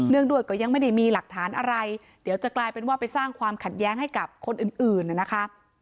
งด้วยก็ยังไม่ได้มีหลักฐานอะไรเดี๋ยวจะกลายเป็นว่าไปสร้างความขัดแย้งให้กับคนอื่นนะคะ